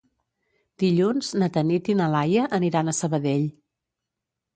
Dilluns na Tanit i na Laia aniran a Sabadell.